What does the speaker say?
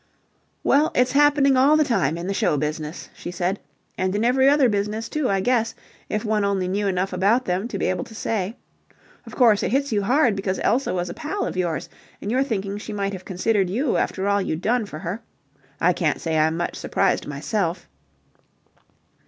"Well, it's happening all the time in the show business," she said. "And in every other business, too, I guess, if one only knew enough about them to be able to say. Of course, it hits you hard because Elsa was a pal of yours, and you're thinking she might have considered you after all you've done for her. I can't say I'm much surprised myself."